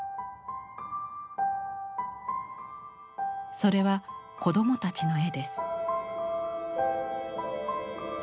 それは子どもたちの絵です。